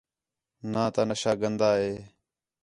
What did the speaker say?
ناں تا نشہ گندا ہے